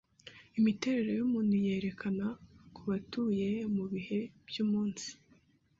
Imiterere yumuntu Yerekana kubatuye mubihe byumunsi